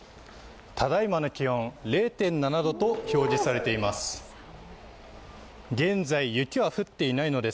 ただいまの気温０．７度と表示されています。